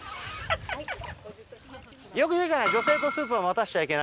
よく言うじゃない。